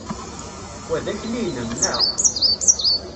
Wa d akli-inem, neɣ?